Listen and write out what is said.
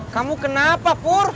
kamu kenapa pur